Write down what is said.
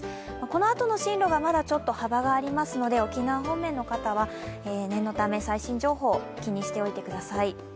このあとの進路がまだちょっと幅がありますので沖縄方面の方は、念のため最新情報気にしてください。